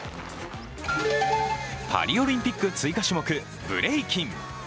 パリオリンピック追加種目、ブレイキン。